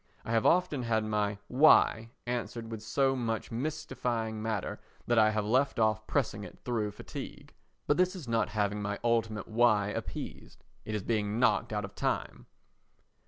I have often had my "Why" answered with so much mystifying matter that I have left off pressing it through fatigue. But this is not having my ultimate "Why?" appeased. It is being knocked out of time.